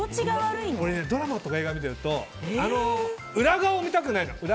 ドラマとか映画を見ていると裏側を見たくないの。